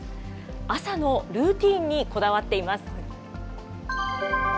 朝のルーティーンにこだわっています。